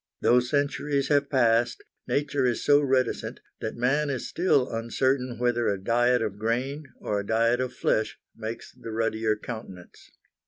Though centuries have passed, nature is so reticent that man is still uncertain whether a diet of grain or a diet of flesh makes the ruddier countenance.